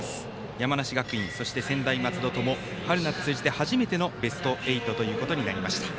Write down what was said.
山梨学院、そして専大松戸とも春夏通じて初めてのベスト８ということになりました。